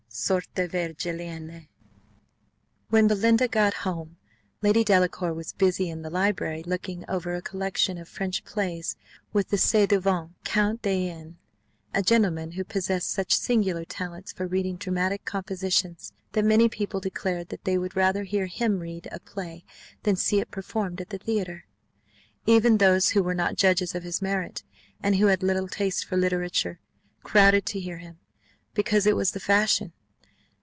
SORTES VIRGILIANAE. When Belinda got home, Lady Delacour was busy in the library looking over a collection of French plays with the ci devant Count de N ; a gentleman who possessed such singular talents for reading dramatic compositions, that many people declared that they would rather hear him read a play than see it performed at the theatre. Even those who were not judges of his merit, and who had little taste for literature, crowded to hear him, because it was the fashion.